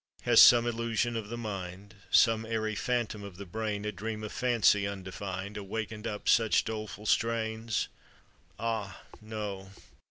Has some illusion of the mind, Some airy phantom of the brain, A dream of fancy undefin'd, Awakened up such doleful strains? Ah, no!